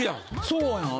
そうやん。